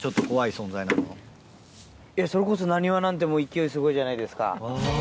それこそなにわなんて勢いすごいじゃないですか。